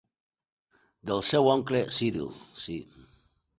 Del seu oncle Cyril, sí.